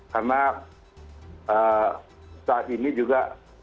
karena saat ini juga